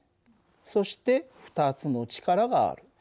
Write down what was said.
そして２つの力がある。